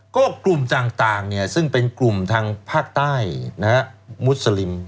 ก็กลุ่มต่างซึ่งเป็นกลุ่มทางภาคใต้มุสลิม